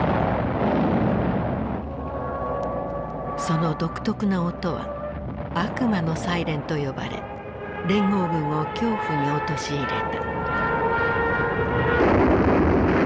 その独特な音は「悪魔のサイレン」と呼ばれ連合軍を恐怖に陥れた。